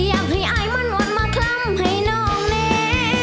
อยากให้อายมันหมดมาคล้ำให้น้องแน่